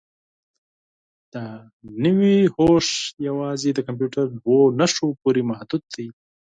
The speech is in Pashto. دا نوي هوښ یوازې د کمپیوټر دوو نښو پورې محدود دی.